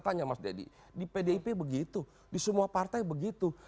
tanya mas deddy di pdip begitu di semua partai begitu